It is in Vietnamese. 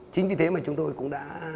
chính vì thế mà chúng tôi cũng đã